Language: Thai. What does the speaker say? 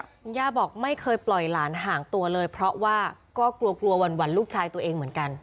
คุณย่าบอกไม่เคยปล่อยหลานห่างตัวเลยเพราะว่าก็กลัวกลัวหวั่นลูกชายตัวเองเหมือนกัน